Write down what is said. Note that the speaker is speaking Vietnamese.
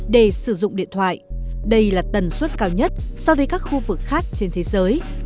để sử dụng điện thoại đây là tần suất cao nhất so với các khu vực khác trên thế giới